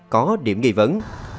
có điểm nghi vấn